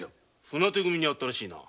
船手組に会ったらしいな。